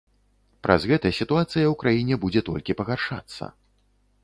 Праз гэта сітуацыя ў краіне будзе толькі пагаршацца.